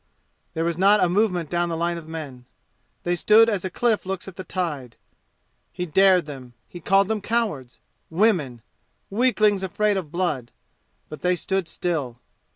There was not a movement down the line of men. They stood as a cliff looks at the tide. He dared them. He called them cowards women weaklings afraid of blood. But they stood still.